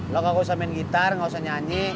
lu gak usah main gitar gak usah nyanyi